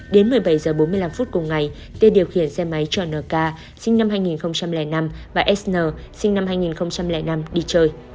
đến một mươi bảy h bốn mươi năm phút cùng ngày tê điều khiển xe máy cho nk sinh năm hai nghìn năm và sn sinh năm hai nghìn năm đi chơi